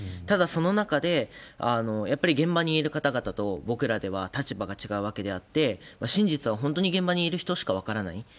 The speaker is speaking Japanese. ただ、その中で、やっぱり現場にいる方々と僕らでは立場が違うわけであって、真実は本当に現場にいる人しか分からない。